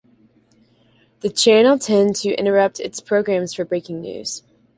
The channel tend to interrupt its programmes for breaking news.